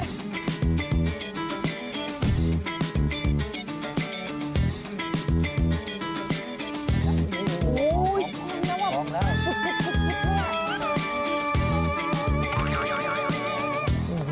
อุ๊ยมันอ้อมแล้ว